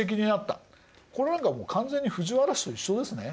これなんかもう完全に藤原氏と一緒ですね。